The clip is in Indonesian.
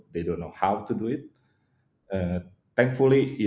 mereka tidak tahu cara melakukannya